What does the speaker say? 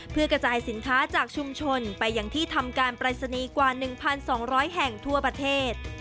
เพื่อกระจายสินค้าจากชุมชนไปอย่างที่ทำการปรายศนีย์กว่า๑๒๐๐แห่งทั่วประเทศ